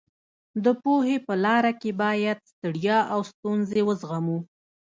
د پوهې په لاره کې باید ستړیا او ستونزې وزغمو.